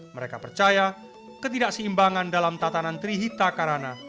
mereka percaya ketidakseimbangan dalam tatanan trihita karana